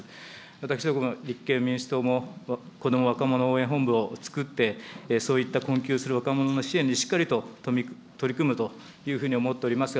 私ども立憲民主党も、若者応援本部を作って、そういった困窮する若者の支援にしっかりと取り組むというふうに思っておりますが、